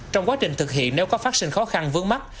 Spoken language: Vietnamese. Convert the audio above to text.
trong quá trình thực hiện nếu có phát sinh khó khăn vướng mắt